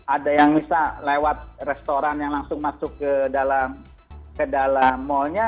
ada yang bisa lewat restoran yang langsung masuk ke dalam ke dalam mallnya